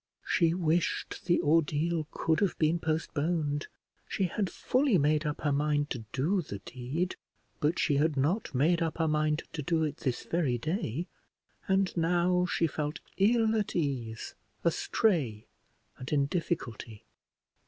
She wished the ordeal could have been postponed: she had fully made up her mind to do the deed, but she had not made up her mind to do it this very day; and now she felt ill at ease, astray, and in difficulty.